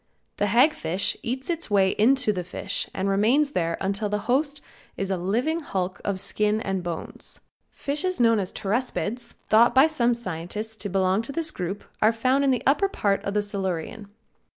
The hag fish eats its way into the fish and remains there until its host is a living hulk of skin and bones. Fishes known as Pteraspids, thought by some scientists to belong to this group, are found in the upper part of the Silurian.